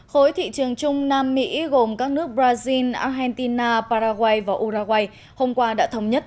khối thị trường chung nam mỹ gồm các nước brazil argentina paraguay và uruguay hôm qua đã thống nhất